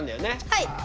はい。